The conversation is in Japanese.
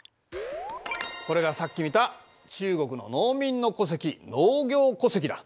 これがさっき見た中国の農民の戸籍農業戸籍だ。